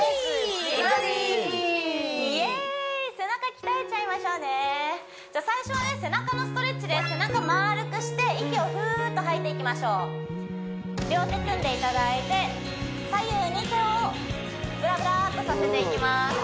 イエーイ背中鍛えちゃいましょうねじゃ最初はね背中のストレッチです背中丸くして息をふっと吐いていきましょう両手組んでいただいて左右に手をぶらぶらっとさせていきます